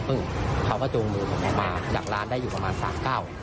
เขาก็จูงมือผมออกมาจากร้านได้อยู่ประมาณสามเก้า